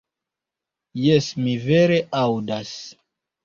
Jes, mi vere aŭdas!